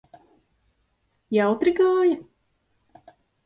Jautri gāja?